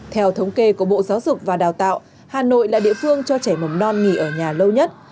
theo thống kê của bộ giáo dục và đào tạo hà nội là địa phương cho trẻ mầm non nghỉ ở nhà lâu nhất